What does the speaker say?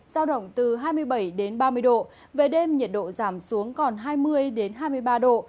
giao động từ hai mươi bảy đến ba mươi độ về đêm nhiệt độ giảm xuống còn hai mươi hai mươi ba độ